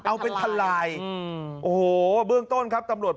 ไปทลายอืมโอ้โหเบื้องต้นครับตำรวจ